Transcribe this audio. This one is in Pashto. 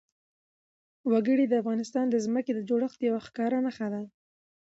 وګړي د افغانستان د ځمکې د جوړښت یوه ښکاره نښه ده.